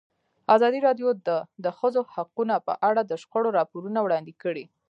ازادي راډیو د د ښځو حقونه په اړه د شخړو راپورونه وړاندې کړي.